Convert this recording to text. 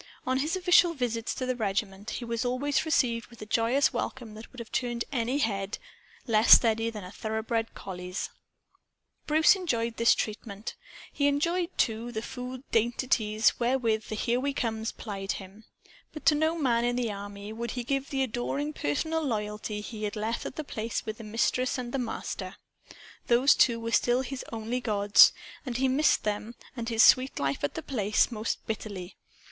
On his official visits to the regiment, he was always received with a joyous welcome that would have turned any head less steady than a thoroughbred collie's. Bruce enjoyed this treatment. He enjoyed, too, the food dainties wherewith the "Here We Comes" plied him. But to no man in the army would he give the adoring personal loyalty he had left at The Place with the Mistress and the Master. Those two were still his only gods. And he missed them and his sweet life at The Place most bitterly.